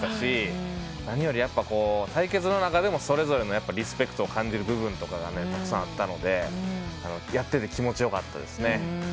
何より対決の中でもそれぞれのリスペクトを感じる部分とかがたくさんあったのでやってて気持ちよかったですね。